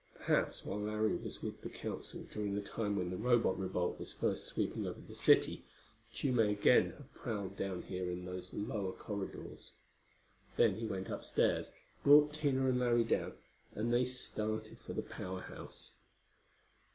Perhaps, while Larry was with the Council during that time when the Robot revolt was first sweeping over the city, Tugh may again have prowled down here in these lower corridors. Then he went upstairs, brought Tina and Larry down and they started for the Power House.